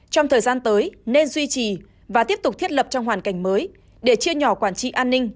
trong thời gian tới nên duy trì và tiếp tục thiết lập trong hoàn cảnh mới để chia nhỏ quản trị an ninh